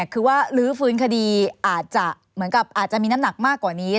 คือว่ารื้อฟื้นคดีอาจจะมีน้ำหนักมากกว่านี้